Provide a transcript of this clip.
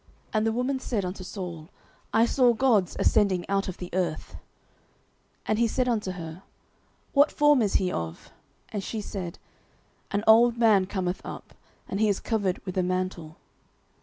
And the woman said unto Saul, I saw gods ascending out of the earth. 09:028:014 And he said unto her, What form is he of? And she said, An old man cometh up; and he is covered with a mantle.